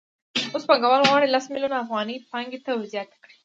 اوس پانګوال غواړي لس میلیونه افغانۍ پانګې ته ورزیاتې کړي